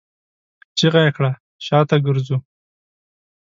چيغه يې کړه! شاته ګرځو!